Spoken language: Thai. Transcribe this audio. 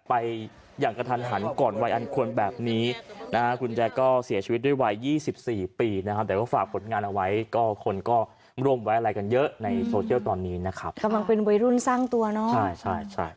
๒๔ปีนะครับแต่ก็ฝากผลงานเอาไว้คนก็รวมไว้อะไรกันเยอะในโซเชียลตอนนี้นะครับกำลังเป็นวัยรุ่นสร้างตัวเนาะใช่